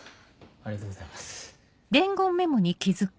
ありがとうございます。